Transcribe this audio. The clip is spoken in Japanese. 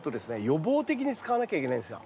予防的に使わなきゃいけないんですよ。